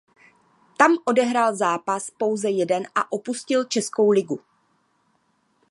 Tam odehrál zápas pouze jeden a opustil českou ligu.